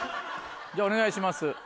じゃあお願いします。